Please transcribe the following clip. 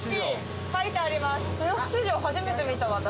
初めて見た私。